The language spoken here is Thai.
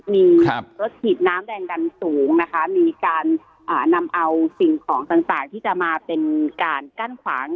มีรถฉีดน้ำแรงดันสูงนะคะมีการนำเอาสิ่งของต่างที่จะมาเป็นการกั้นขวาง